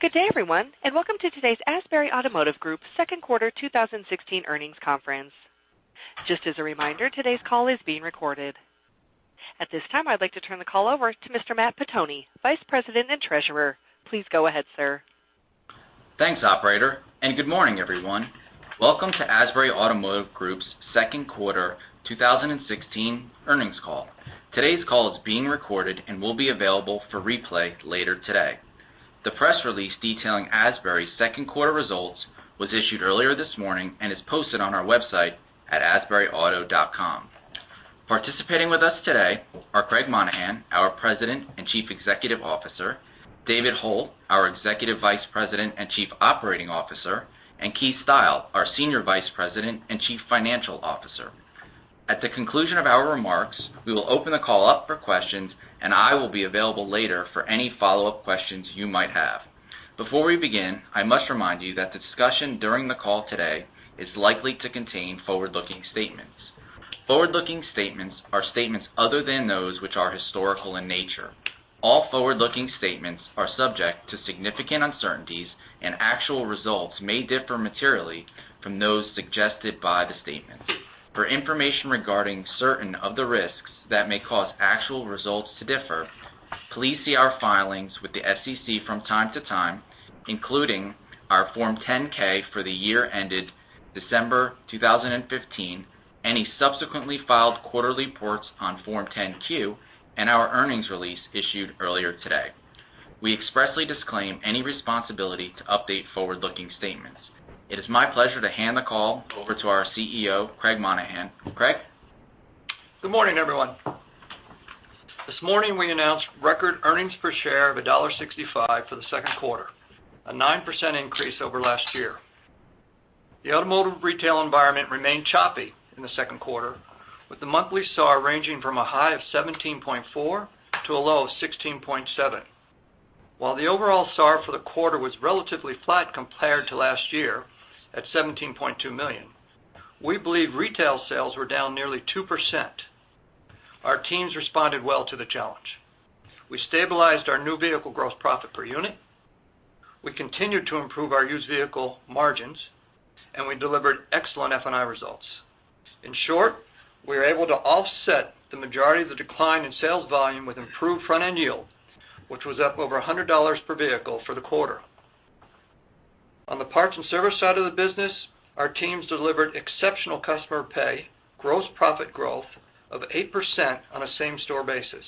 Good day everyone, and welcome to today's Asbury Automotive Group second quarter 2016 earnings conference. Just as a reminder, today's call is being recorded. At this time, I'd like to turn the call over to Mr. Matt Pettoni, Vice President and Treasurer. Please go ahead, sir. Thanks, operator, and good morning everyone. Welcome to Asbury Automotive Group's second quarter 2016 earnings call. Today's call is being recorded and will be available for replay later today. The press release detailing Asbury's second quarter results was issued earlier this morning and is posted on our website at asburyauto.com. Participating with us today are Craig Monaghan, our President and Chief Executive Officer, David Hult, our Executive Vice President and Chief Operating Officer, and Keith Style, our Senior Vice President and Chief Financial Officer. At the conclusion of our remarks, we will open the call up for questions, and I will be available later for any follow-up questions you might have. Before we begin, I must remind you that the discussion during the call today is likely to contain forward-looking statements. Forward-looking statements are statements other than those which are historical in nature. All forward-looking statements are subject to significant uncertainties, and actual results may differ materially from those suggested by the statements. For information regarding certain of the risks that may cause actual results to differ, please see our filings with the SEC from time to time, including our Form 10-K for the year ended December 2015, any subsequently filed quarterly reports on Form 10-Q, and our earnings release issued earlier today. We expressly disclaim any responsibility to update forward-looking statements. It is my pleasure to hand the call over to our CEO, Craig Monaghan. Craig? Good morning, everyone. This morning, we announced record earnings per share of $1.65 for the second quarter, a 9% increase over last year. The automotive retail environment remained choppy in the second quarter, with the monthly SAAR ranging from a high of 17.4 to a low of 16.7. While the overall SAAR for the quarter was relatively flat compared to last year, at 17.2 million, we believe retail sales were down nearly 2%. Our teams responded well to the challenge. We stabilized our new vehicle gross profit per unit, we continued to improve our used vehicle margins, and we delivered excellent F&I results. In short, we were able to offset the majority of the decline in sales volume with improved front-end yield, which was up over $100 per vehicle for the quarter. On the parts and service side of the business, our teams delivered exceptional customer pay, gross profit growth of 8% on a same-store basis.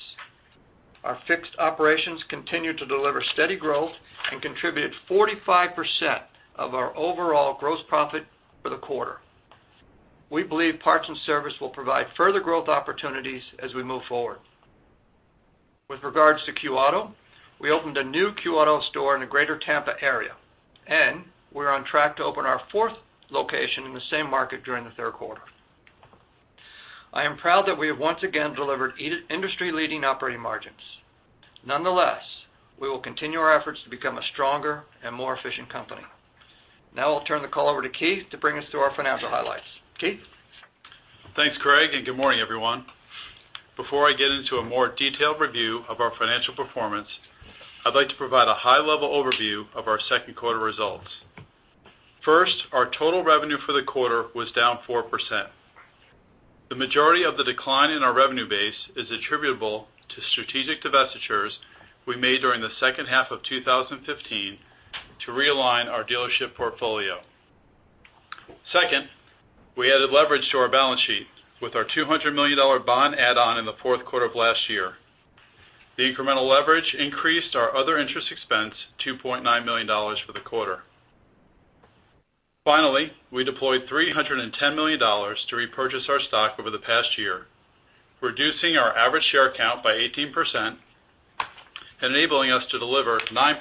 Our fixed operations continued to deliver steady growth and contributed 45% of our overall gross profit for the quarter. We believe parts and service will provide further growth opportunities as we move forward. With regards to Q auto, we opened a new Q auto store in the greater Tampa area, and we're on track to open our fourth location in the same market during the third quarter. I am proud that we have once again delivered industry-leading operating margins. Nonetheless, we will continue our efforts to become a stronger and more efficient company. Now I'll turn the call over to Keith to bring us through our financial highlights. Keith? Thanks, Craig. Good morning everyone. Before I get into a more detailed review of our financial performance, I'd like to provide a high-level overview of our second quarter results. First, our total revenue for the quarter was down 4%. The majority of the decline in our revenue base is attributable to strategic divestitures we made during the second half of 2015 to realign our dealership portfolio. Second, we added leverage to our balance sheet with our $200 million bond add-on in the fourth quarter of last year. The incremental leverage increased our other interest expense, $2.9 million for the quarter. Finally, we deployed $310 million to repurchase our stock over the past year, reducing our average share count by 18%, enabling us to deliver 9%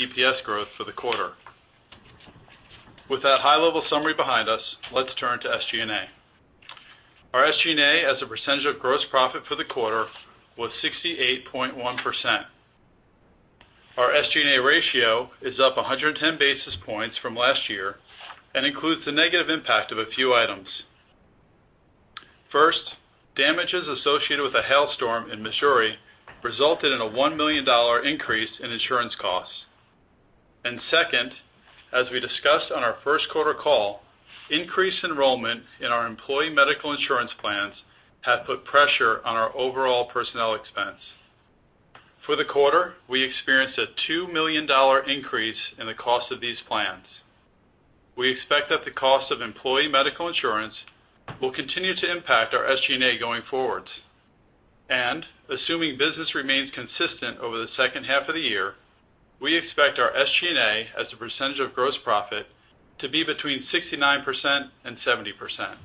EPS growth for the quarter. With that high-level summary behind us, let's turn to SG&A. Our SG&A as a percentage of gross profit for the quarter was 68.1%. Our SG&A ratio is up 110 basis points from last year and includes the negative impact of a few items. First, damages associated with a hail storm in Missouri resulted in a $1 million increase in insurance costs. Second, as we discussed on our first quarter call, increased enrollment in our employee medical insurance plans have put pressure on our overall personnel expense. For the quarter, we experienced a $2 million increase in the cost of these plans. We expect that the cost of employee medical insurance will continue to impact our SG&A going forwards. Assuming business remains consistent over the second half of the year, we expect our SG&A as a percentage of gross profit to be between 69% and 70%.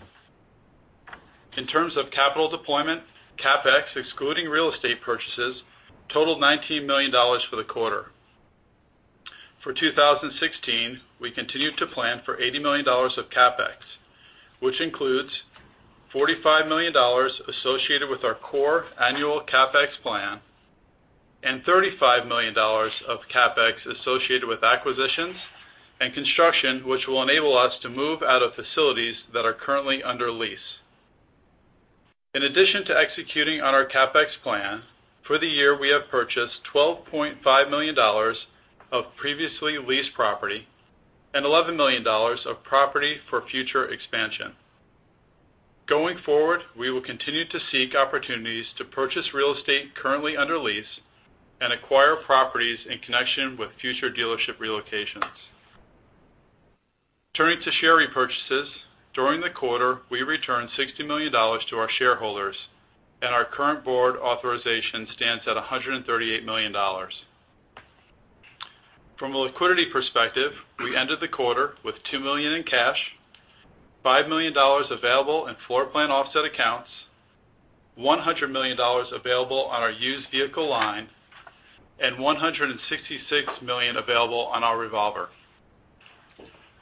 In terms of capital deployment, CapEx, excluding real estate purchases, totaled $19 million for the quarter. For 2016, we continue to plan for $80 million of CapEx, which includes $45 million associated with our core annual CapEx plan and $35 million of CapEx associated with acquisitions and construction, which will enable us to move out of facilities that are currently under lease. In addition to executing on our CapEx plan, for the year, we have purchased $12.5 million of previously leased property and $11 million of property for future expansion. Going forward, we will continue to seek opportunities to purchase real estate currently under lease and acquire properties in connection with future dealership relocations. Turning to share repurchases. During the quarter, we returned $60 million to our shareholders. Our current board authorization stands at $138 million. From a liquidity perspective, we ended the quarter with $2 million in cash, $5 million available in floor plan offset accounts, $100 million available on our used vehicle line, and $166 million available on our revolver.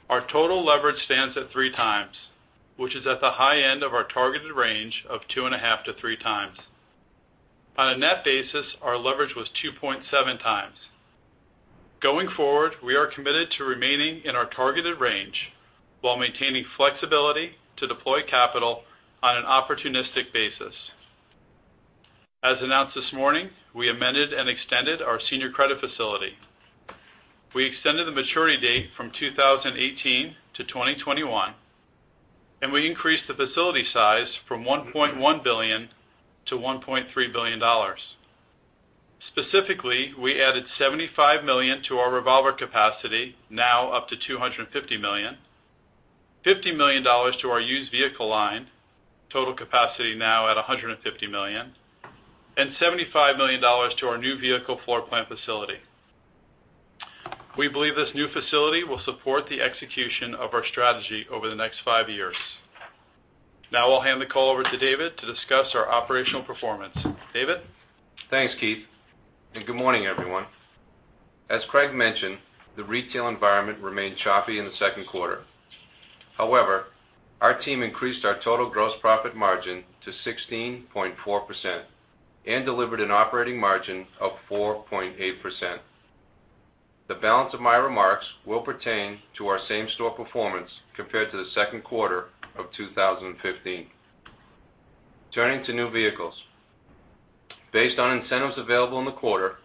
Our total leverage stands at 3 times, which is at the high end of our targeted range of 2.5 to 3 times. On a net basis, our leverage was 2.7 times. Going forward, we are committed to remaining in our targeted range while maintaining flexibility to deploy capital on an opportunistic basis. As announced this morning, we amended and extended our senior credit facility. We extended the maturity date from 2018 to 2021, and we increased the facility size from $1.1 billion to $1.3 billion. Specifically, we added $75 million to our revolver capacity, now up to $250 million, $50 million to our used vehicle line, total capacity now at $150 million, and $75 million to our new vehicle floor plan facility. We believe this new facility will support the execution of our strategy over the next five years. Now I'll hand the call over to David to discuss our operational performance. David? Thanks, Keith, and good morning, everyone. As Craig mentioned, the retail environment remained choppy in the second quarter. However, our team increased our total gross profit margin to 16.4% and delivered an operating margin of 4.8%. The balance of my remarks will pertain to our same-store performance compared to the second quarter of 2015. Turning to new vehicles. Based on incentives available in the quarter,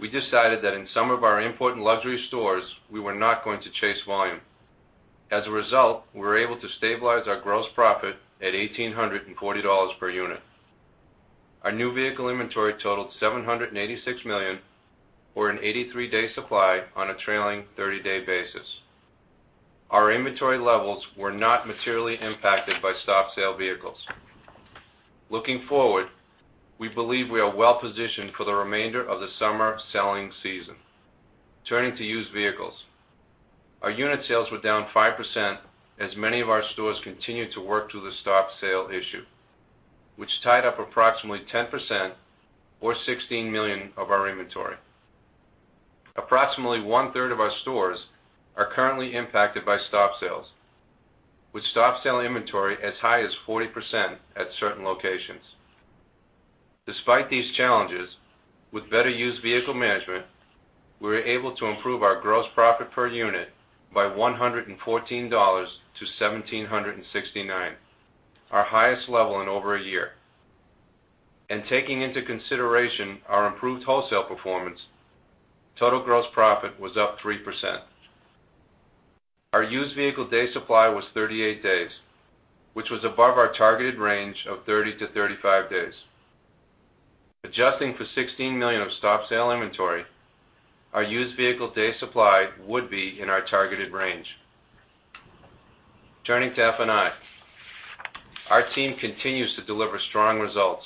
we decided that in some of our import and luxury stores, we were not going to chase volume. As a result, we were able to stabilize our gross profit at $1,840 per unit. Our new vehicle inventory totaled $786 million or an 83-day supply on a trailing 30-day basis. Our inventory levels were not materially impacted by stop sale vehicles. Looking forward, we believe we are well-positioned for the remainder of the summer selling season. Turning to used vehicles. Our unit sales were down 5% as many of our stores continued to work through the stop sale issue, which tied up approximately 10% or $16 million of our inventory. Approximately one-third of our stores are currently impacted by stop sales, with stop sale inventory as high as 40% at certain locations. Despite these challenges, with better used vehicle management, we were able to improve our gross profit per unit by $114 to $1,769, our highest level in over a year. Taking into consideration our improved wholesale performance, total gross profit was up 3%. Our used vehicle day supply was 38 days, which was above our targeted range of 30-35 days. Adjusting for $16 million of stop sale inventory, our used vehicle day supply would be in our targeted range. Turning to F&I. Our team continues to deliver strong results,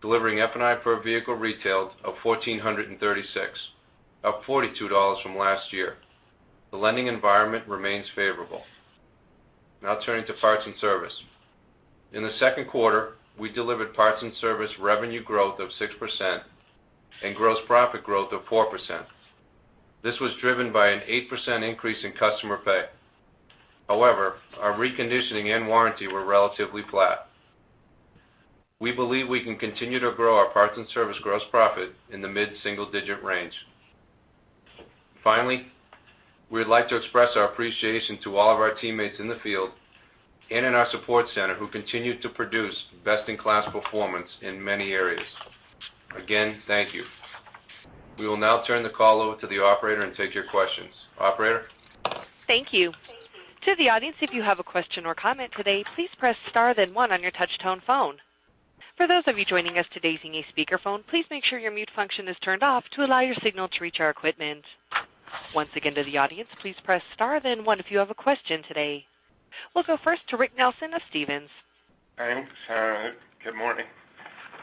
delivering F&I per vehicle retailed of $1,436, up $42 from last year. The lending environment remains favorable. Turning to parts and service. In the second quarter, we delivered parts and service revenue growth of 6% and gross profit growth of 4%. This was driven by an 8% increase in customer pay. Our reconditioning and warranty were relatively flat. We believe we can continue to grow our parts and service gross profit in the mid-single-digit range. We'd like to express our appreciation to all of our teammates in the field and in our support center who continue to produce best-in-class performance in many areas. Thank you. We will now turn the call over to the operator and take your questions. Operator? Thank you. To the audience, if you have a question or comment today, please press star then one on your touch-tone phone. For those of you joining us today via speakerphone, please make sure your mute function is turned off to allow your signal to reach our equipment. To the audience, please press star then one if you have a question today. We'll go first to Rick Nelson of Stephens. Thanks. Good morning.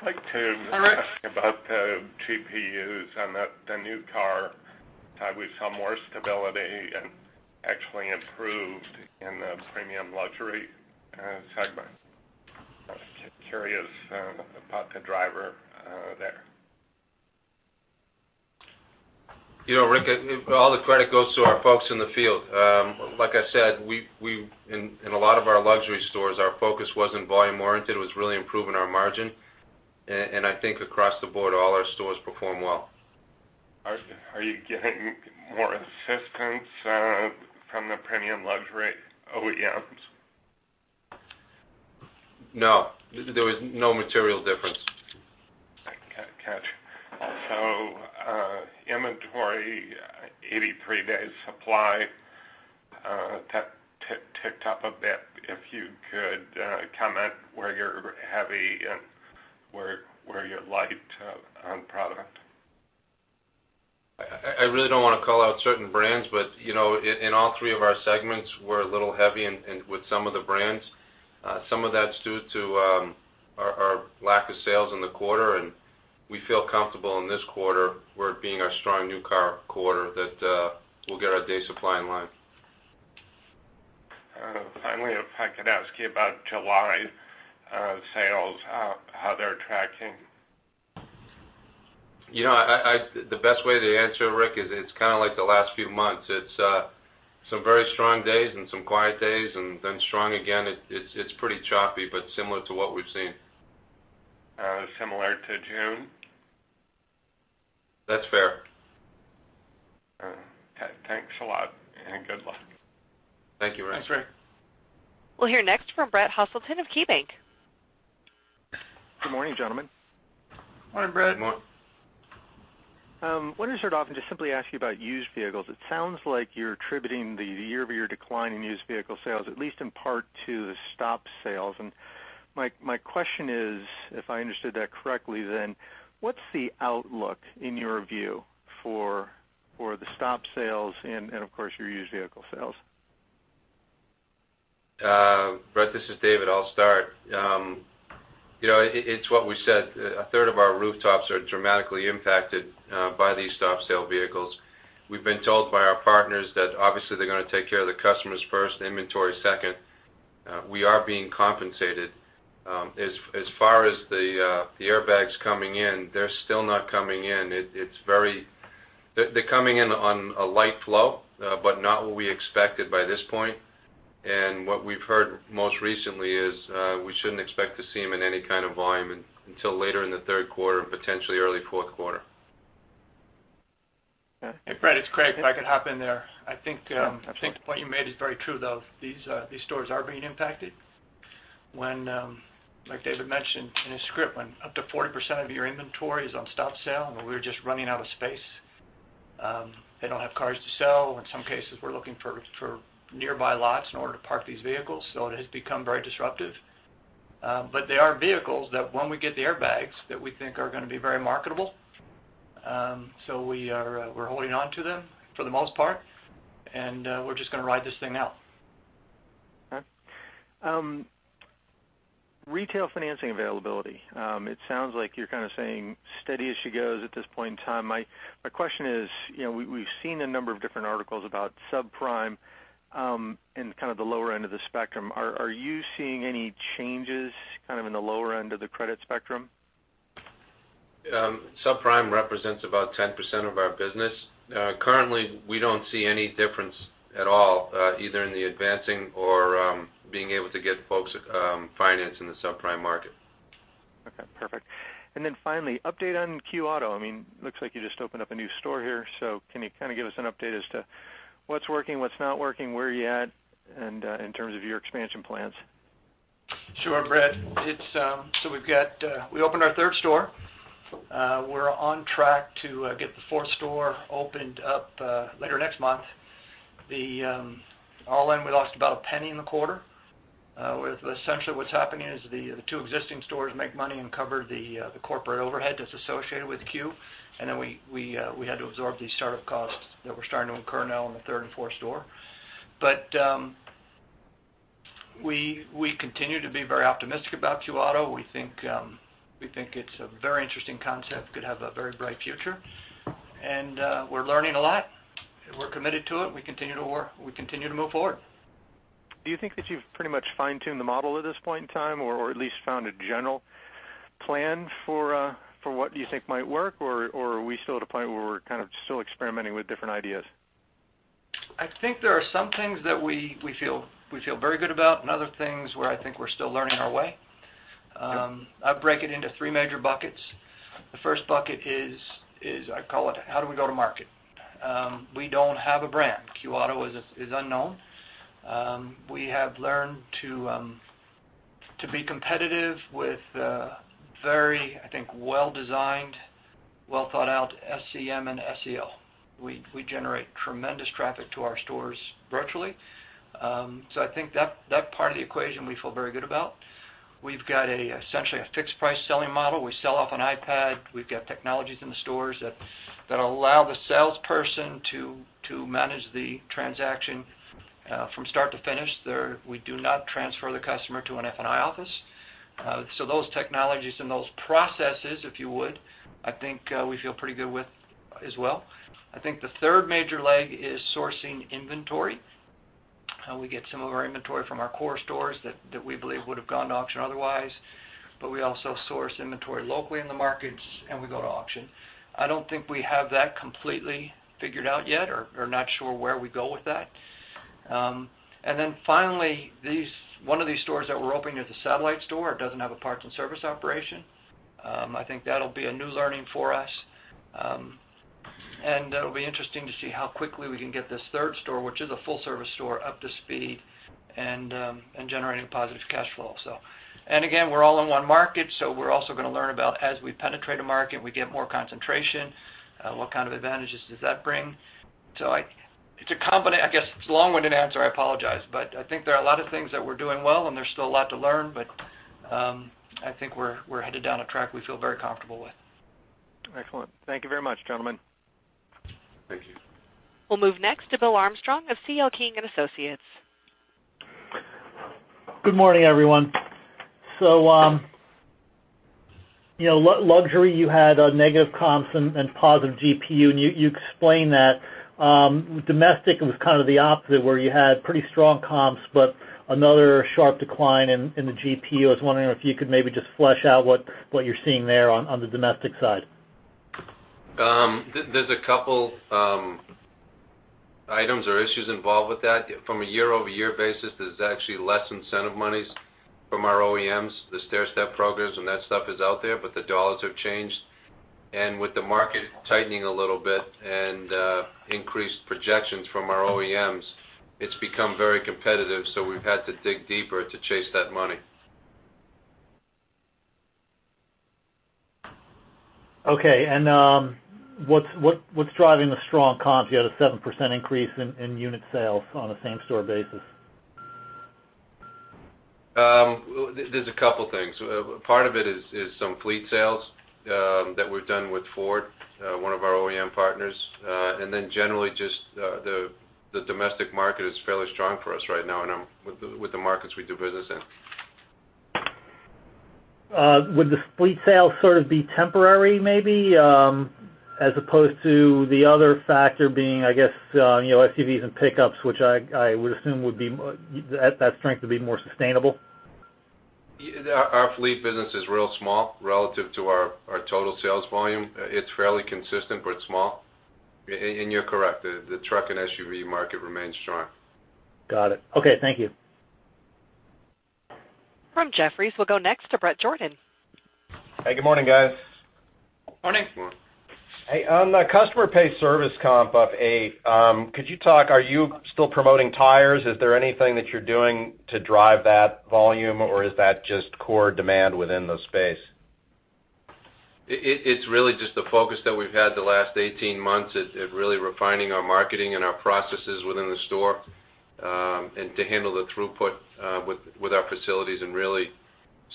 Hi, Rick. ask about the GPUs and the new car. Have we saw more stability and actually improved in the premium luxury segment? Curious about the driver there. Rick, all the credit goes to our folks in the field. Like I said, in a lot of our luxury stores, our focus wasn't volume-oriented, it was really improving our margin. I think across the board, all our stores perform well. Are you getting more assistance from the premium luxury OEMs? No, there was no material difference. I gotcha. Inventory 83 days supply ticked up a bit. If you could comment where you're heavy and where you're light on product. I really don't want to call out certain brands, but in all three of our segments, we're a little heavy with some of the brands. Some of that's due to our lack of sales in the quarter, and we feel comfortable in this quarter, with it being our strong new car quarter, that we'll get our day supply in line. Finally, if I could ask you about July sales, how they're tracking. The best way to answer, Rick, is it's kind of like the last few months. It's some very strong days and some quiet days and then strong again. It's pretty choppy, but similar to what we've seen. Similar to June? That's fair. All right. Thanks a lot, and good luck. Thank you, Rick. Thanks, Rick. We'll hear next from Brett Hoselton of KeyBanc. Good morning, gentlemen. Morning, Brett. Good morning. I want to start off and just simply ask you about used vehicles. It sounds like you're attributing the year-over-year decline in used vehicle sales, at least in part, to the stop sales. My question is, if I understood that correctly, then what's the outlook in your view for the stop sales and of course, your used vehicle sales? Brett, this is David. I'll start. It's what we said. A third of our rooftops are dramatically impacted by these stop sale vehicles. We've been told by our partners that obviously they're going to take care of the customers first, inventory second. We are being compensated. As far as the airbags coming in, they're still not coming in. They're coming in on a light flow, but not what we expected by this point. What we've heard most recently is we shouldn't expect to see them in any kind of volume until later in the third quarter, potentially early fourth quarter. Hey, Brett, it's Craig. If I could hop in there. Yeah, absolutely. I think the point you made is very true, though. These stores are being impacted. David mentioned in his script, when up to 40% of your inventory is on stop sale, we're just running out of space. They don't have cars to sell. In some cases, we're looking for nearby lots in order to park these vehicles. It has become very disruptive. They are vehicles that when we get the airbags, that we think are going to be very marketable. We're holding on to them for the most part, and we're just going to ride this thing out. Okay. Retail financing availability. It sounds like you're kind of saying steady as she goes at this point in time. My question is, we've seen a number of different articles about subprime in kind of the lower end of the spectrum. Are you seeing any changes kind of in the lower end of the credit spectrum? Subprime represents about 10% of our business. Currently, we don't see any difference at all, either in the advancing or being able to get folks financing the subprime market. Okay, perfect. Finally, update on Q auto. Looks like you just opened up a new store here. Can you kind of give us an update as to what's working, what's not working, where you're at, and in terms of your expansion plans? Sure, Brett. We opened our third store. We're on track to get the fourth store opened up later next month. All in, we lost about $0.01 in the quarter. Essentially what's happening is the two existing stores make money and cover the corporate overhead that's associated with Q auto. We had to absorb these startup costs that we're starting to incur now in the third and fourth store. We continue to be very optimistic about Q auto. We think it's a very interesting concept, could have a very bright future. We're learning a lot. We're committed to it. We continue to move forward. Do you think that you've pretty much fine-tuned the model at this point in time, or at least found a general plan for what you think might work? Are we still at a point where we're kind of still experimenting with different ideas? I think there are some things that we feel very good about and other things where I think we're still learning our way. Okay. I break it into three major buckets. The first bucket is, I call it how do we go to market. We don't have a brand. Q auto is unknown. We have learned to be competitive with very, I think, well-designed, well-thought-out SEM and SEO. We generate tremendous traffic to our stores virtually. I think that part of the equation we feel very good about. We've got essentially a fixed price selling model. We sell off an iPad. We've got technologies in the stores that allow the salesperson to manage the transaction from start to finish. We do not transfer the customer to an F&I office. Those technologies and those processes, if you would, I think we feel pretty good with as well. I think the third major leg is sourcing inventory. We get some of our inventory from our core stores that we believe would have gone to auction otherwise. We also source inventory locally in the markets, and we go to auction. I don't think we have that completely figured out yet. We're not sure where we go with that. Finally, one of these stores that we're opening is a satellite store. It doesn't have a parts and service operation. I think that'll be a new learning for us. It'll be interesting to see how quickly we can get this third store, which is a full-service store, up to speed and generating positive cash flow. Again, we're all in one market, so we're also going to learn about as we penetrate a market, we get more concentration, what kind of advantages does that bring? I guess it's a long-winded answer, I apologize, but I think there are a lot of things that we're doing well, and there's still a lot to learn, but I think we're headed down a track we feel very comfortable with. Excellent. Thank you very much, gentlemen. Thank you. We'll move next to Bill Armstrong of C.L. King & Associates. Luxury, you had negative comps and positive GPU, and you explained that. Domestic, it was kind of the opposite, where you had pretty strong comps, but another sharp decline in the GPU. I was wondering if you could maybe just flesh out what you're seeing there on the domestic side. There's a couple items or issues involved with that. From a year-over-year basis, there's actually less incentive monies from our OEMs. The stairstep programs and that stuff is out there, but the dollars have changed. With the market tightening a little bit and increased projections from our OEMs, it's become very competitive, so we've had to dig deeper to chase that money. Okay, what's driving the strong comps? You had a 7% increase in unit sales on a same-store basis. There's a couple things. Part of it is some fleet sales that we've done with Ford, one of our OEM partners. Generally just the domestic market is fairly strong for us right now with the markets we do business in. Would the fleet sales sort of be temporary, maybe, as opposed to the other factor being, I guess, SUVs and pickups, which I would assume that strength would be more sustainable? Our fleet business is real small relative to our total sales volume. It's fairly consistent, but it's small. You're correct, the truck and SUV market remains strong. Got it. Okay. Thank you. From Jefferies, we'll go next to Bret Jordan. Hey, good morning, guys. Morning. Morning. Hey, on the customer pay service comp up 8%, could you talk, are you still promoting tires? Is there anything that you're doing to drive that volume, or is that just core demand within the space? It's really just the focus that we've had the last 18 months at really refining our marketing and our processes within the store, and to handle the throughput with our facilities and really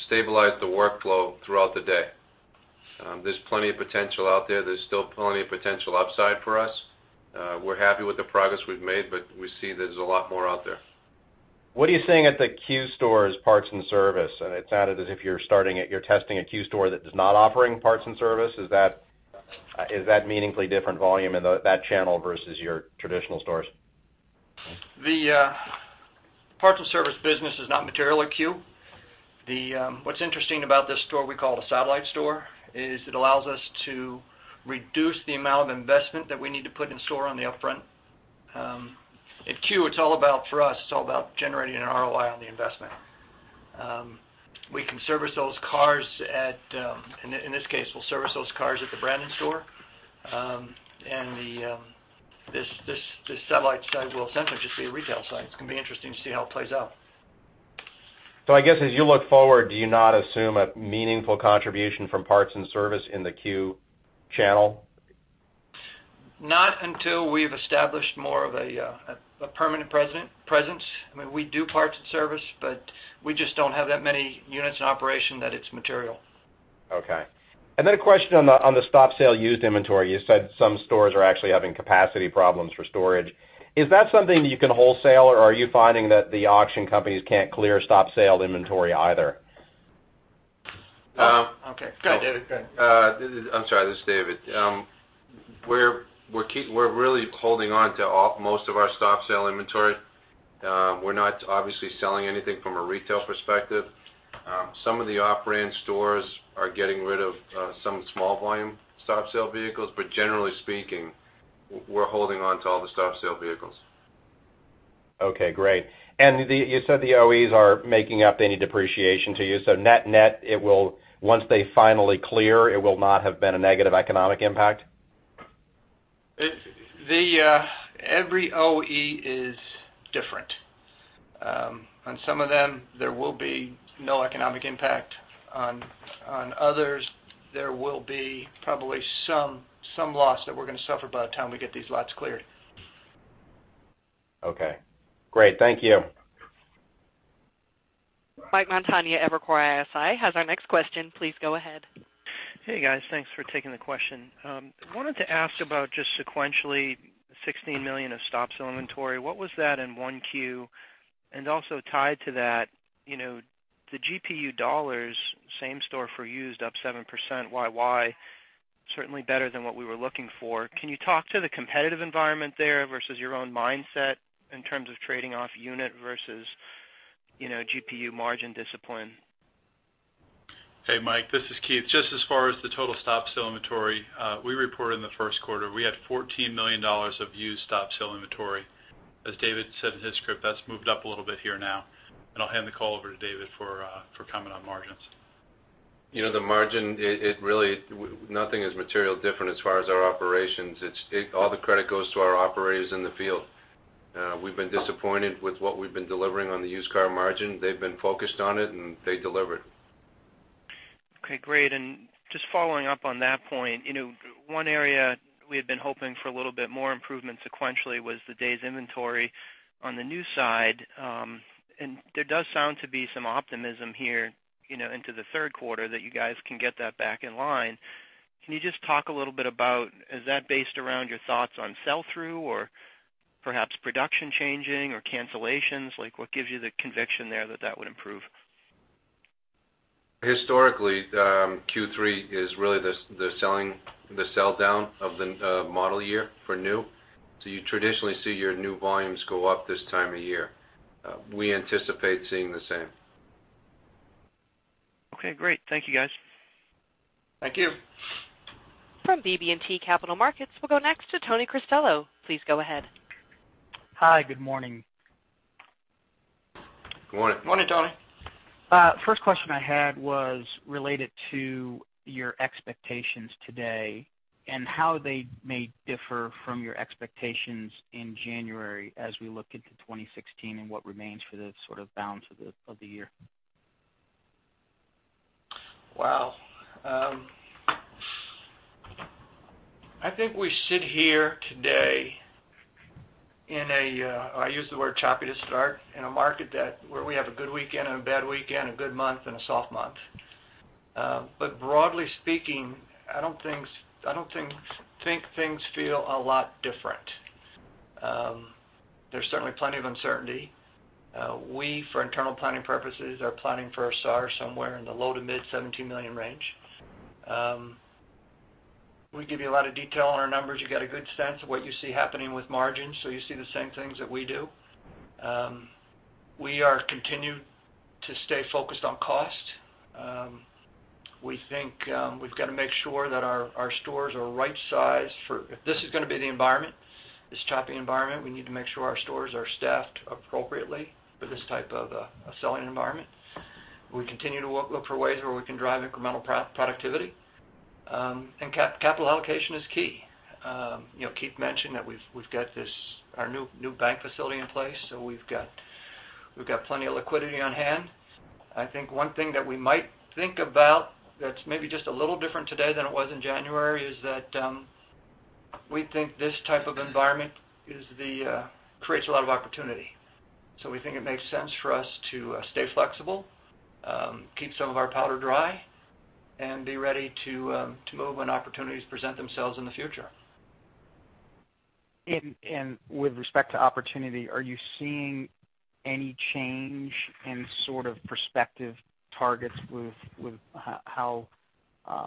stabilize the workflow throughout the day. There's plenty of potential out there. There's still plenty of potential upside for us. We're happy with the progress we've made, but we see there's a lot more out there. What are you seeing at the Q stores parts and service? It sounded as if you're testing a Q store that is not offering parts and service. Is that meaningfully different volume in that channel versus your traditional stores? The parts and service business is not material at Q. What's interesting about this store we call a satellite store is it allows us to reduce the amount of investment that we need to put in store on the upfront. At Q, for us, it's all about generating an ROI on the investment. We can service those cars in this case, we'll service those cars at the Brandon store. This satellite site will essentially just be a retail site. It's going to be interesting to see how it plays out. I guess as you look forward, do you not assume a meaningful contribution from parts and service in the Q channel? Not until we've established more of a permanent presence. I mean, we do parts and service, but we just don't have that many units in operation that it's material. Okay. A question on the stop sale used inventory. You said some stores are actually having capacity problems for storage. Is that something that you can wholesale, or are you finding that the auction companies can't clear stop sale inventory either? Okay, go David, go ahead. I'm sorry. This is David. We're really holding on to most of our stop sale inventory. We're not obviously selling anything from a retail perspective. Some of the off brand stores are getting rid of some small volume stop sale vehicles, but generally speaking, we're holding on to all the stop sale vehicles. Okay, great. You said the OEs are making up any depreciation to you, so net, it will, once they finally clear, it will not have been a negative economic impact? Every OE is different. On some of them, there will be no economic impact. On others, there will be probably some loss that we're going to suffer by the time we get these lots cleared. Okay. Great. Thank you. Mike Montani, Evercore ISI, has our next question. Please go ahead. Hey, guys. Thanks for taking the question. I wanted to ask about just sequentially, $16 million of stop sale inventory. What was that in 1Q? Also tied to that, the GPU dollars same store for used up 7% YY, certainly better than what we were looking for. Can you talk to the competitive environment there versus your own mindset in terms of trading off unit versus GPU margin discipline? Hey, Mike, this is Keith. Just as far as the total stop sell inventory, we reported in the first quarter, we had $14 million of used stop sell inventory. As David said in his script, that's moved up a little bit here now. I'll hand the call over to David for comment on margins. The margin, nothing is materially different as far as our operations. All the credit goes to our operators in the field. We've been disappointed with what we've been delivering on the used car margin. They've been focused on it, and they delivered. Okay, great. Just following up on that point, one area we had been hoping for a little bit more improvement sequentially was the days inventory on the new side. There does sound to be some optimism here into the third quarter that you guys can get that back in line. Can you just talk a little bit about, is that based around your thoughts on sell-through or perhaps production changing or cancellations? What gives you the conviction there that that would improve? Historically, Q3 is really the sell-down of the model year for new. You traditionally see your new volumes go up this time of year. We anticipate seeing the same. Okay, great. Thank you, guys. Thank you. From BB&T Capital Markets, we'll go next to Anthony Cristello. Please go ahead. Hi, good morning. Good morning. Morning, Tony. First question I had was related to your expectations today and how they may differ from your expectations in January as we look into 2016 and what remains for the sort of balance of the year. Well, I think we sit here today in a, I use the word choppy to start, in a market where we have a good weekend and a bad weekend, a good month and a soft month. Broadly speaking, I don't think things feel a lot different. There's certainly plenty of uncertainty. We, for internal planning purposes, are planning for a SAAR somewhere in the low to mid 17 million range. We give you a lot of detail on our numbers. You get a good sense of what you see happening with margins, you see the same things that we do. We are continued to stay focused on cost. We think we've got to make sure that our stores are right-sized. If this is going to be the environment, this choppy environment, we need to make sure our stores are staffed appropriately for this type of selling environment. We continue to look for ways where we can drive incremental productivity. Capital allocation is key. Keith mentioned that we've got our new bank facility in place, we've got plenty of liquidity on hand. I think one thing that we might think about that's maybe just a little different today than it was in January is that we think this type of environment creates a lot of opportunity. We think it makes sense for us to stay flexible, keep some of our powder dry, and be ready to move when opportunities present themselves in the future. With respect to opportunity, are you seeing any change in sort of perspective targets with how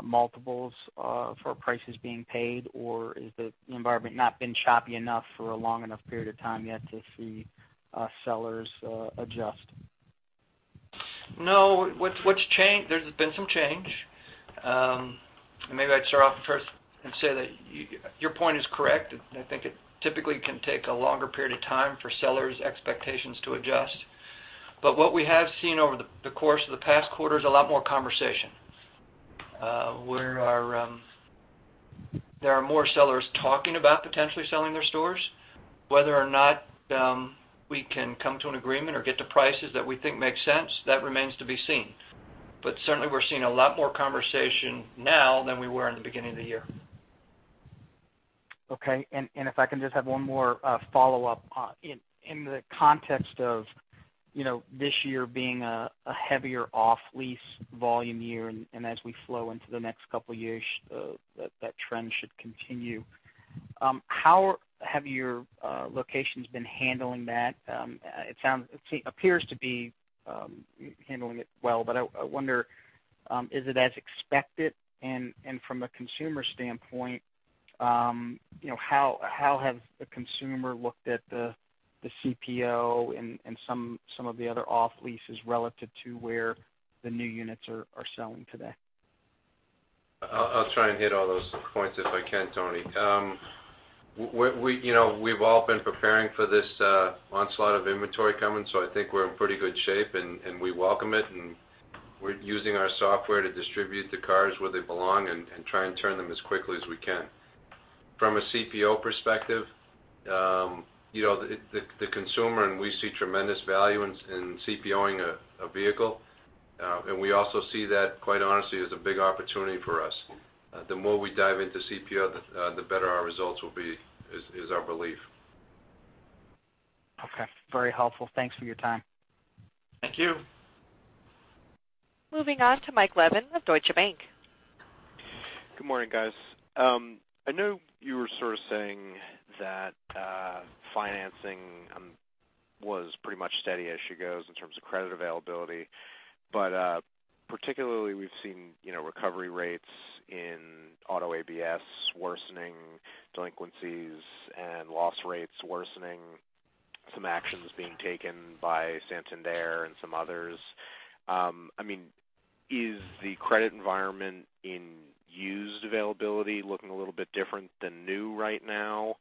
multiples for prices being paid, or has the environment not been choppy enough for a long enough period of time yet to see sellers adjust? No. There's been some change. Maybe I'd start off first and say that your point is correct. I think it typically can take a longer period of time for sellers' expectations to adjust. What we have seen over the course of the past quarter is a lot more conversation. There are more sellers talking about potentially selling their stores. Whether or not we can come to an agreement or get to prices that we think make sense, that remains to be seen. Certainly we're seeing a lot more conversation now than we were in the beginning of the year. Okay. If I can just have one more follow-up. In the context of this year being a heavier off-lease volume year, and as we flow into the next couple of years, that trend should continue. How have your locations been handling that? It appears to be handling it well, but I wonder, is it as expected? From a consumer standpoint, how has the consumer looked at the CPO and some of the other off leases relative to where the new units are selling today? I'll try and hit all those points if I can, Tony. We've all been preparing for this onslaught of inventory coming, so I think we're in pretty good shape, and we welcome it, and we're using our software to distribute the cars where they belong and try and turn them as quickly as we can. From a CPO perspective, the consumer, and we see tremendous value in CPO-ing a vehicle. We also see that, quite honestly, as a big opportunity for us. The more we dive into CPO, the better our results will be, is our belief. Okay. Very helpful. Thanks for your time. Thank you. Moving on to Michael Levin of Deutsche Bank. Good morning, guys. I know you were sort of saying that financing was pretty much steady as she goes in terms of credit availability, but particularly, we've seen recovery rates in auto ABS worsening, delinquencies and loss rates worsening. Some actions being taken by Santander and some others. Is the credit environment in used availability looking a little bit different than new right now?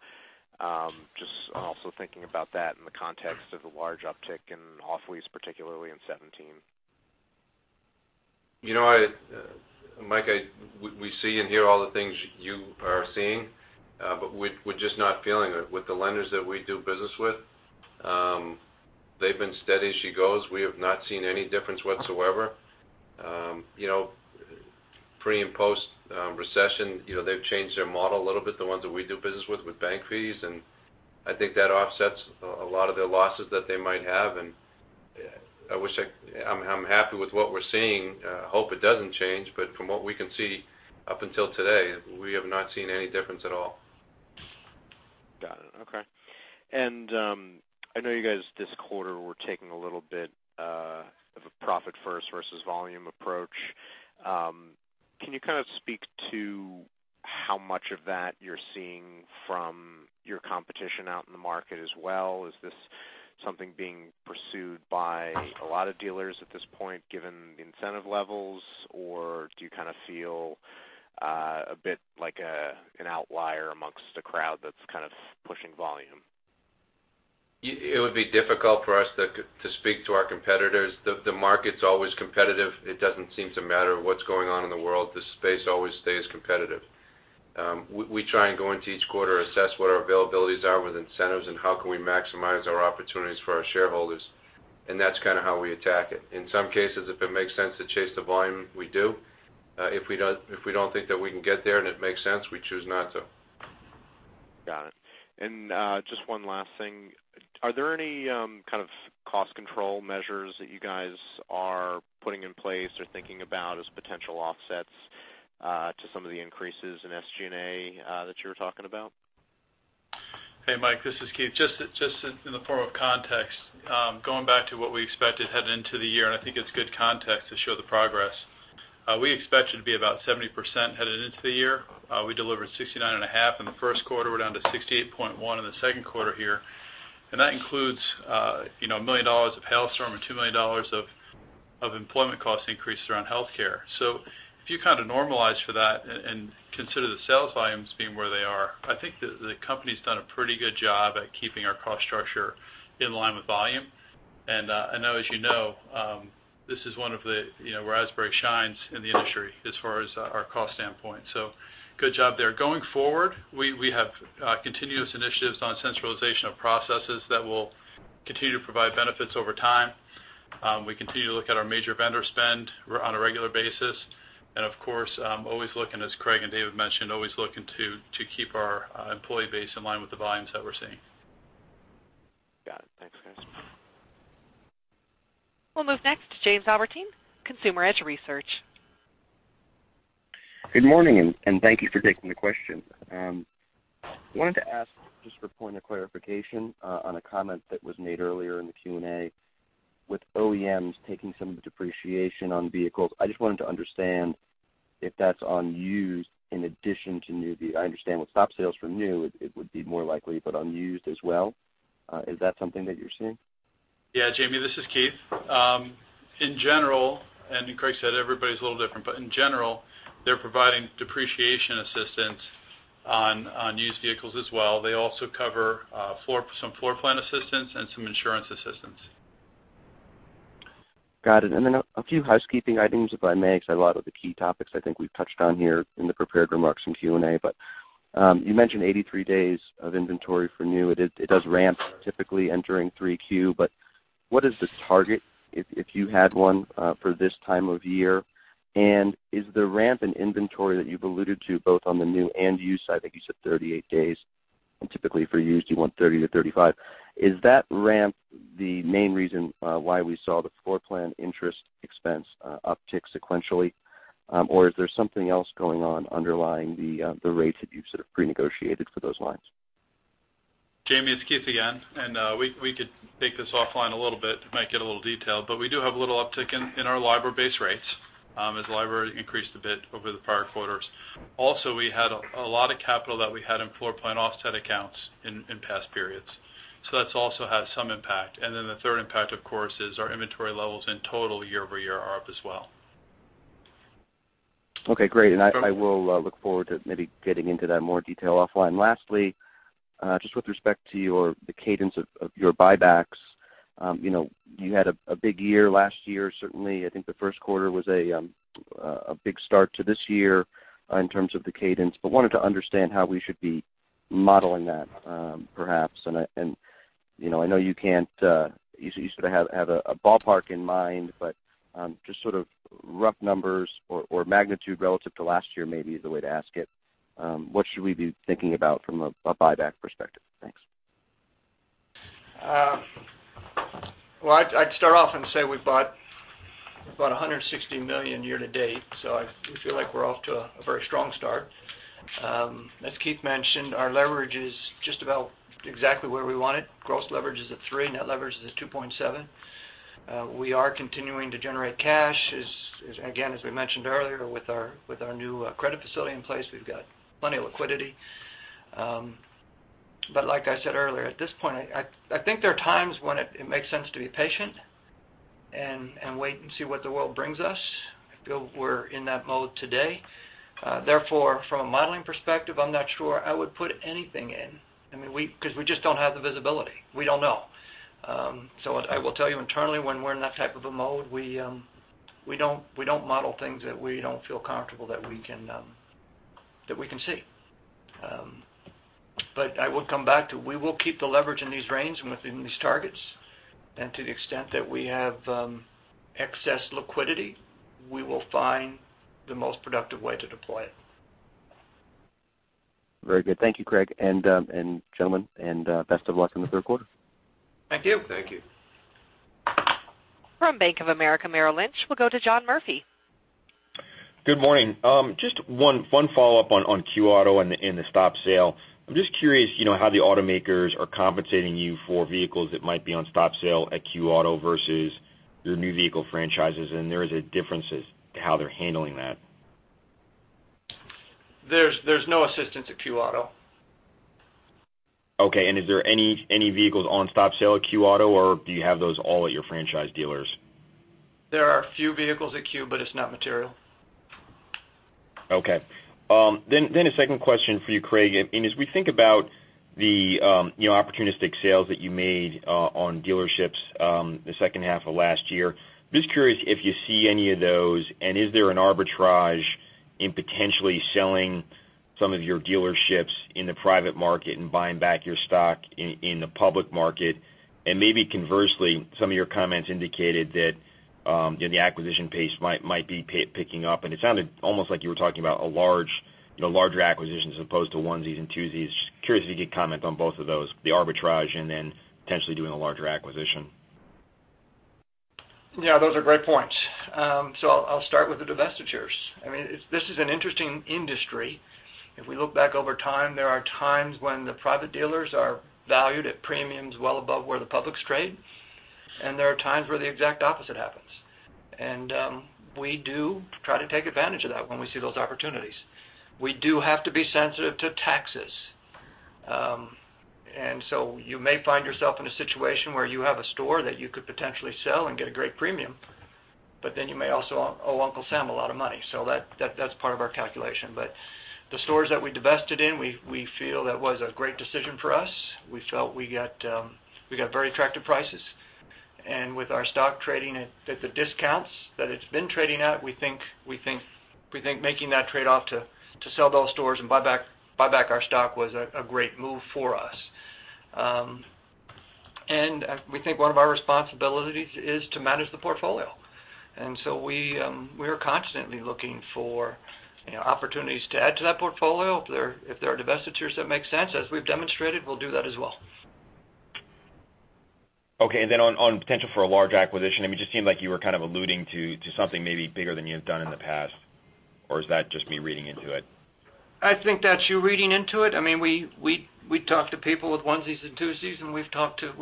Just also thinking about that in the context of the large uptick in off-lease, particularly in 2017. Mike, we see and hear all the things you are seeing, but we're just not feeling it. With the lenders that we do business with, they've been steady as she goes. We have not seen any difference whatsoever. Pre- and post-recession, they've changed their model a little bit, the ones that we do business with bank fees. I think that offsets a lot of their losses that they might have. I'm happy with what we're seeing, hope it doesn't change, but from what we can see, up until today, we have not seen any difference at all. Got it. Okay. I know you guys, this quarter, were taking a little bit of a profit first versus volume approach. Can you speak to how much of that you're seeing from your competition out in the market as well? Is this something being pursued by a lot of dealers at this point, given the incentive levels, or do you feel a bit like an outlier amongst a crowd that's pushing volume? It would be difficult for us to speak to our competitors. The market's always competitive. It doesn't seem to matter what's going on in the world. This space always stays competitive. We try and go into each quarter, assess what our availabilities are with incentives, and how can we maximize our opportunities for our shareholders. That's how we attack it. In some cases, if it makes sense to chase the volume, we do. If we don't think that we can get there, and it makes sense, we choose not to. Got it. Just one last thing. Are there any kind of cost control measures that you guys are putting in place or thinking about as potential offsets to some of the increases in SG&A that you were talking about? Hey, Mike, this is Keith. Just in the form of context, going back to what we expected heading into the year, I think it's good context to show the progress. We expected to be about 70% headed into the year. We delivered 69.5% in the first quarter. We're down to 68.1% in the second quarter here. That includes $1 million of hailstorm and $2 million of employment cost increase around healthcare. If you normalize for that and consider the sales volumes being where they are, I think the company's done a pretty good job at keeping our cost structure in line with volume. As you know, this is one of the where Asbury shines in the industry as far as our cost standpoint. Good job there. Going forward, we have continuous initiatives on centralization of processes that will continue to provide benefits over time. We continue to look at our major vendor spend on a regular basis. Of course, always looking, as Craig and David mentioned, always looking to keep our employee base in line with the volumes that we're seeing. Got it. Thanks, guys. We'll move next to James Albertine, Consumer Edge Research. Good morning, and thank you for taking the question. Wanted to ask, just for point of clarification, on a comment that was made earlier in the Q&A. With OEMs taking some of the depreciation on vehicles, I just wanted to understand if that's on used in addition to new. I understand with stop sales from new, it would be more likely, but on used as well? Is that something that you're seeing? Yeah, Jamie, this is Keith. In general, and Craig said everybody's a little different, but in general, they're providing depreciation assistance on used vehicles as well. They also cover some floor plan assistance and some insurance assistance. Got it. Then a few housekeeping items, if I may, because a lot of the key topics I think we've touched on here in the prepared remarks and Q&A. You mentioned 83 days of inventory for new. It does ramp typically entering 3Q. What is the target, if you had one, for this time of year? Is the ramp in inventory that you've alluded to both on the new and used side, I think you said 38 days, and typically for used, you want 30 to 35. Is that ramp the main reason why we saw the floor plan interest expense uptick sequentially? Or is there something else going on underlying the rates that you've prenegotiated for those lines? Jamie, it's Keith again. We could take this offline a little bit, might get a little detailed, but we do have a little uptick in our LIBOR base rates as the LIBOR increased a bit over the prior quarters. Also, we had a lot of capital that we had in floor plan offset accounts in past periods. That's also had some impact. The third impact, of course, is our inventory levels in total year-over-year are up as well. Okay, great. I will look forward to maybe getting into that in more detail offline. Lastly, just with respect to the cadence of your buybacks. You had a big year last year, certainly. I think the first quarter was a big start to this year in terms of the cadence, wanted to understand how we should be modeling that, perhaps. I know you sort of have a ballpark in mind, but just sort of rough numbers or magnitude relative to last year, maybe is the way to ask it. What should we be thinking about from a buyback perspective? Thanks. Well, I'd start off say we've bought about $160 million year-to-date, we feel like we're off to a very strong start. As Keith mentioned, our leverage is just about exactly where we want it. Gross leverage is at 3, net leverage is at 2.7. We are continuing to generate cash. Again, as we mentioned earlier, with our new credit facility in place, we've got plenty of liquidity. Like I said earlier, at this point, I think there are times when it makes sense to be patient and wait and see what the world brings us. I feel we're in that mode today. Therefore, from a modeling perspective, I'm not sure I would put anything in. We just don't have the visibility. We don't know. What I will tell you internally, when we're in that type of a mode, we don't model things that we don't feel comfortable that we can see. I will come back to, we will keep the leverage in these ranges and within these targets. To the extent that we have excess liquidity, we will find the most productive way to deploy it. Very good. Thank you, Craig, and gentlemen. Best of luck in the third quarter. Thank you. Thank you. From Bank of America Merrill Lynch, we'll go to John Murphy. Good morning. Just one follow-up on Q auto and the stop sale. I'm just curious how the automakers are compensating you for vehicles that might be on stop sale at Q auto versus your new vehicle franchises, there is a difference as to how they're handling that. There's no assistance at Q auto. Okay, is there any vehicles on stop sale at Q auto, or do you have those all at your franchise dealers? There are a few vehicles at Q, but it's not material. Okay. A second question for you, Craig, as we think about the opportunistic sales that you made on dealerships the second half of last year, just curious if you see any of those, is there an arbitrage in potentially selling some of your dealerships in the private market and buying back your stock in the public market? Maybe conversely, some of your comments indicated that the acquisition pace might be picking up, it sounded almost like you were talking about a larger acquisition as opposed to onesies and twosies. Just curious if you could comment on both of those, the arbitrage and then potentially doing a larger acquisition. Yeah, those are great points. I'll start with the divestitures. This is an interesting industry. If we look back over time, there are times when the private dealers are valued at premiums well above where the publics trade, there are times where the exact opposite happens. We do try to take advantage of that when we see those opportunities. We do have to be sensitive to taxes. You may find yourself in a situation where you have a store that you could potentially sell and get a great premium, you may also owe Uncle Sam a lot of money. That's part of our calculation. The stores that we divested in, we feel that was a great decision for us. We felt we got very attractive prices, with our stock trading at the discounts that it's been trading at, we think making that trade-off to sell those stores and buy back our stock was a great move for us. We think one of our responsibilities is to manage the portfolio. We are constantly looking for opportunities to add to that portfolio. If there are divestitures that make sense, as we've demonstrated, we'll do that as well. Then on potential for a large acquisition, it just seemed like you were alluding to something maybe bigger than you have done in the past, or is that just me reading into it? I think that's you reading into it. We talk to people with onesies and twosies, we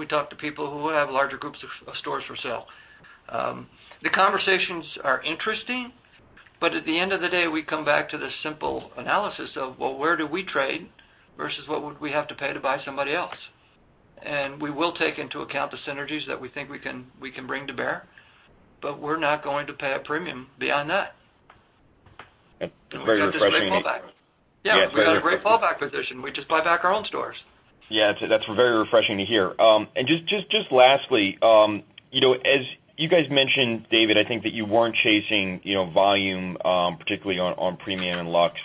talk to people who have larger groups of stores for sale. The conversations are interesting, at the end of the day, we come back to the simple analysis of, well, where do we trade versus what would we have to pay to buy somebody else? We will take into account the synergies that we think we can bring to bear, but we're not going to pay a premium beyond that. Very refreshing to hear. Yeah, we got a great fallback position. We just buy back our own stores. Yeah. That's very refreshing to hear. Just lastly, as you guys mentioned, David, I think that you weren't chasing volume, particularly on premium and luxe,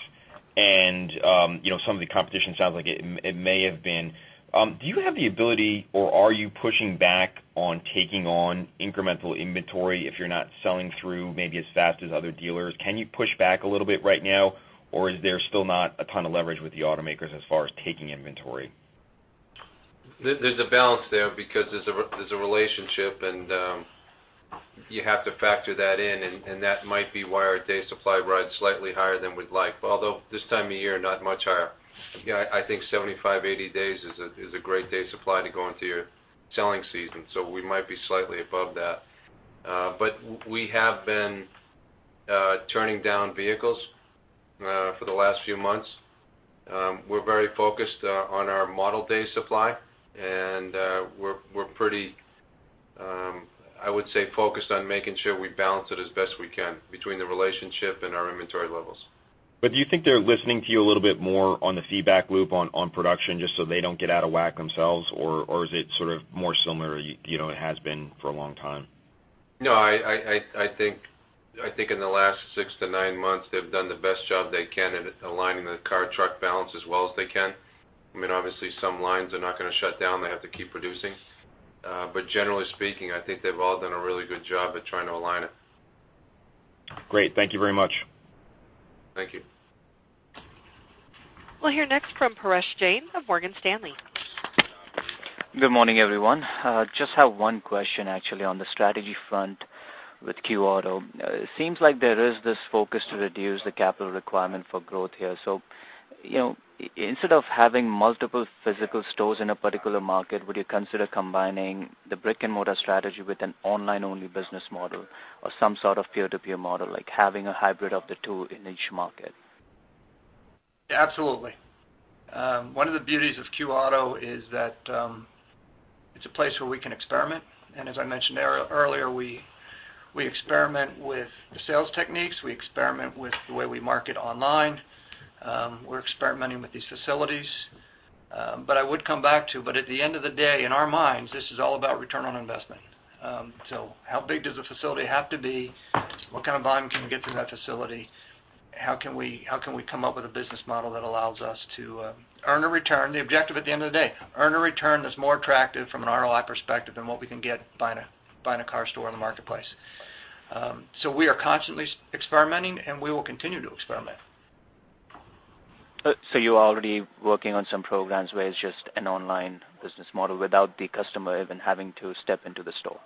and some of the competition sounds like it may have been. Do you have the ability, or are you pushing back on taking on incremental inventory if you're not selling through maybe as fast as other dealers? Can you push back a little bit right now, or is there still not a ton of leverage with the automakers as far as taking inventory? There's a balance there because there's a relationship, and you have to factor that in, and that might be why our day supply runs slightly higher than we'd like. Although this time of year, not much higher. I think 75, 80 days is a great day supply to go into your selling season. We might be slightly above that. We have been turning down vehicles for the last few months. We're very focused on our model day supply, and we're pretty, I would say, focused on making sure we balance it as best we can between the relationship and our inventory levels. Do you think they're listening to you a little bit more on the feedback loop on production, just so they don't get out of whack themselves? Is it sort of more similar, it has been for a long time? No, I think in the last six to nine months, they've done the best job they can in aligning the car-truck balance as well as they can. Obviously, some lines are not going to shut down. They have to keep producing. Generally speaking, I think they've all done a really good job at trying to align it. Great. Thank you very much. Thank you. We'll hear next from Paresh Jain of Morgan Stanley. Good morning, everyone. Just have one question, actually, on the strategy front with Q auto. It seems like there is this focus to reduce the capital requirement for growth here. Instead of having multiple physical stores in a particular market, would you consider combining the brick-and-mortar strategy with an online-only business model or some sort of peer-to-peer model, like having a hybrid of the two in each market? Absolutely. One of the beauties of Q auto is that it's a place where we can experiment, and as I mentioned earlier, we experiment with the sales techniques. We experiment with the way we market online. We're experimenting with these facilities. I would come back to, at the end of the day, in our minds, this is all about return on investment. How big does a facility have to be? What kind of volume can we get through that facility? How can we come up with a business model that allows us to earn a return, the objective at the end of the day, earn a return that's more attractive from an ROI perspective than what we can get buying a car store in the marketplace. We are constantly experimenting, and we will continue to experiment. You are already working on some programs where it's just an online business model without the customer even having to step into the store.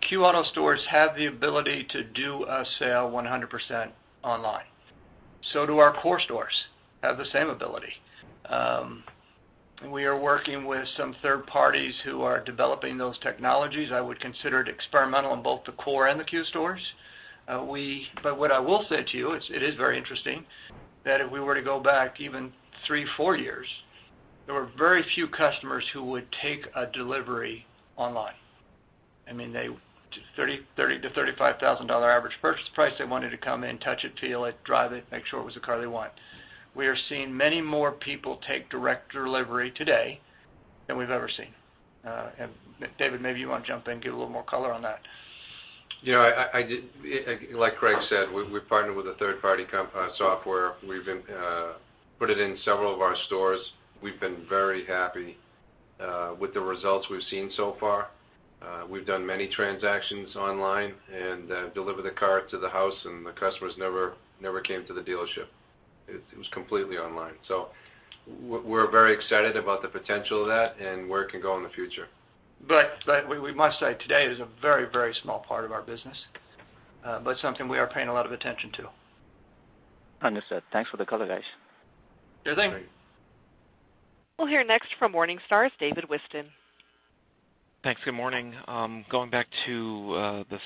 Q auto stores have the ability to do a sale 100% online. Do our core stores, have the same ability. We are working with some third parties who are developing those technologies. I would consider it experimental in both the core and the Q stores. What I will say to you, it is very interesting that if we were to go back even three, four years, there were very few customers who would take a delivery online. A $30,000 to $35,000 average purchase price, they wanted to come in, touch it, feel it, drive it, make sure it was the car they want. We are seeing many more people take direct delivery today than we've ever seen. David, maybe you want to jump in, give a little more color on that. Yeah, like Craig said, we partnered with a third-party software. We've put it in several of our stores. We've been very happy with the results we've seen so far. We've done many transactions online and delivered the car to the house, and the customers never came to the dealership. It was completely online. We're very excited about the potential of that and where it can go in the future. We must say today is a very small part of our business. Something we are paying a lot of attention to. Understood. Thanks for the color, guys. Yeah, thanks. Great. We'll hear next from Morningstar's David Whiston. Thanks. Good morning. Going back to the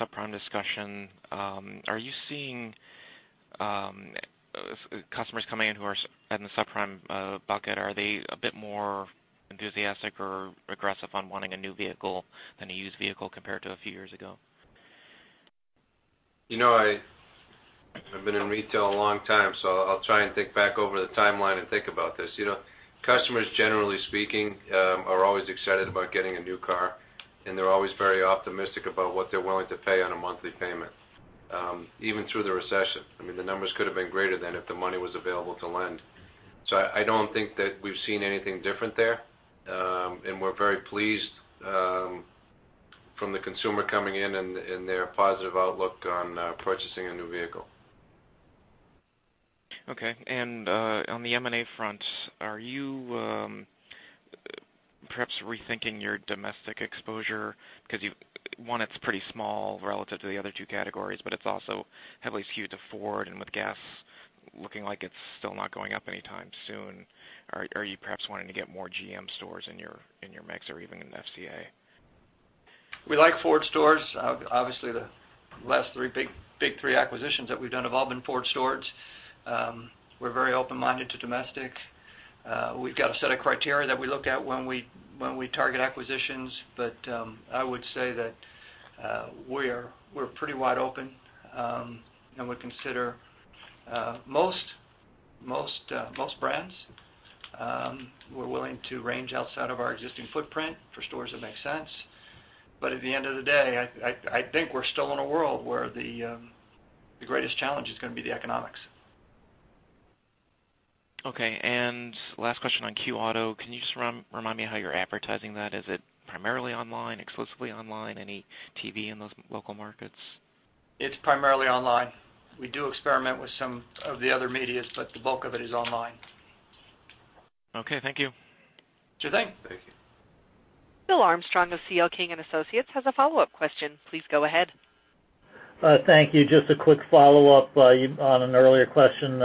subprime discussion, are you seeing customers coming in who are in the subprime bucket? Are they a bit more enthusiastic or aggressive on wanting a new vehicle than a used vehicle compared to a few years ago? I've been in retail a long time, I'll try and think back over the timeline and think about this. Customers, generally speaking, are always excited about getting a new car, and they're always very optimistic about what they're willing to pay on a monthly payment. Even through the recession, the numbers could have been greater than if the money was available to lend. I don't think that we've seen anything different there. We're very pleased from the consumer coming in and their positive outlook on purchasing a new vehicle. Okay, on the M&A front, are you perhaps rethinking your domestic exposure? Because one, it's pretty small relative to the other two categories, but it's also heavily skewed to Ford and with gas looking like it's still not going up anytime soon. Are you perhaps wanting to get more GM stores in your mix or even in FCA? We like Ford stores. Obviously, the last big three acquisitions that we've done have all been Ford stores. We're very open-minded to domestic. We've got a set of criteria that we look at when we target acquisitions. I would say that we're pretty wide open, and we consider most brands. We're willing to range outside of our existing footprint for stores that make sense. At the end of the day, I think we're still in a world where the greatest challenge is going to be the economics. Okay, last question on Q auto. Can you just remind me how you're advertising that? Is it primarily online, exclusively online, any TV in those local markets? It's primarily online. We do experiment with some of the other medias, but the bulk of it is online. Okay, thank you. Sure thing. Thank you. Bill Armstrong of C.L. King & Associates has a follow-up question. Please go ahead. Thank you. Just a quick follow-up on an earlier question.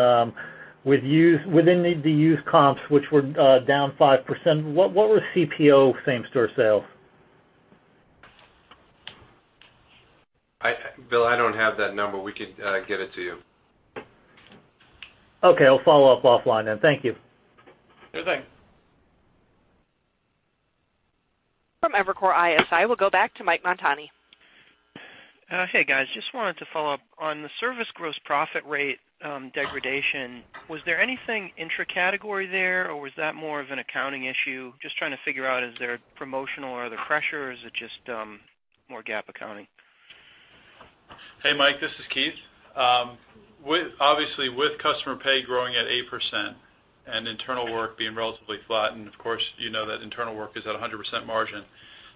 Within the used comps, which were down 5%, what was CPO same-store sales? Bill, I don't have that number. We could get it to you. Okay, I'll follow up offline then. Thank you. Sure thing. Great. From Evercore ISI, we'll go back to Michael Montani. Hey, guys. Just wanted to follow up on the service gross profit rate degradation. Was there anything intracategory there, or was that more of an accounting issue? Just trying to figure out, is there promotional, are there pressures, or is it just more GAAP accounting? Hey, Mike, this is Keith. Obviously, with customer pay growing at 8% and internal work being relatively flat, and of course you know that internal work is at 100% margin,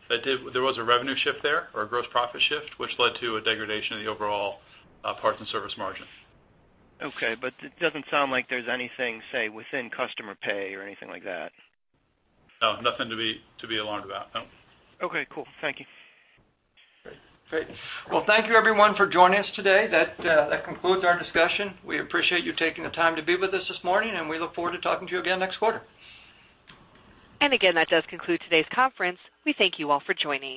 there was a revenue shift there or a gross profit shift, which led to a degradation of the overall parts and service margin. Okay, it doesn't sound like there's anything, say, within customer pay or anything like that. No, nothing to be alarmed about. No. Okay, cool. Thank you. Great. Great. Well, thank you everyone for joining us today. That concludes our discussion. We appreciate you taking the time to be with us this morning, and we look forward to talking to you again next quarter. Again, that does conclude today's conference. We thank you all for joining.